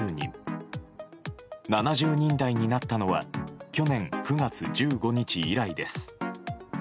７０人台になったのは去年９月１５日以来です。